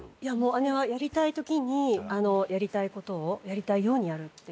姉はやりたいときにやりたいことをやりたいようにやるっていう。